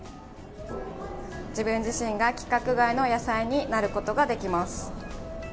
自分自身が規格外の野菜になることができます。